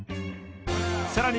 さらに